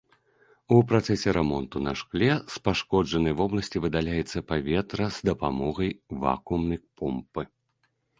У працэсе рамонту на шкле з пашкоджанай вобласці выдаляецца паветра з дапамогай вакуумнай помпы.